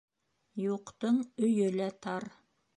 Юҡтың өйө лә тар.